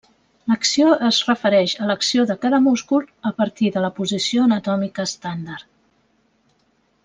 L'acció es refereix a l'acció de cada múscul a partir de la posició anatòmica estàndard.